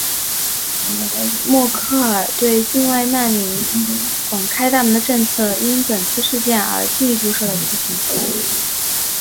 默克尔对境外难民广开大门的政策因本次事件而进一步受到批评。